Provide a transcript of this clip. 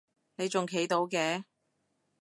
你仲企到嘅？